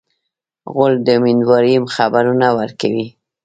غول د امیندوارۍ خبرونه ورکوي.